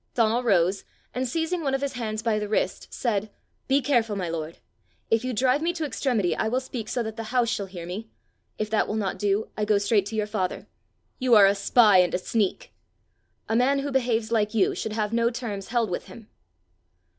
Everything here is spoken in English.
Donal rose, and seizing one of his hands by the wrist, said, "Be careful, my lord; if you drive me to extremity, I will speak so that the house shall hear me; if that will not do, I go straight to your father." "You are a spy and a sneak!" "A man who behaves like you, should have no terms held with him."